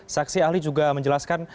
saksi ahli juga menjelaskan